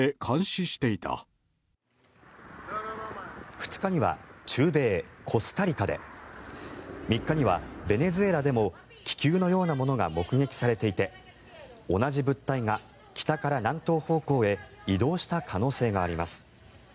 ２日には中米コスタリカで３日にはベネズエラでも気球のようなものが目撃されていて同じ物体が北から南東方向へ移動した可能性があります。